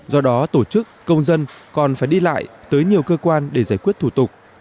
do đó tổ chức công dân còn phải đi lại tới nhiều cơ quan để giải quyết thủ tục